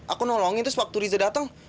aku nolongin terus waktu riza datang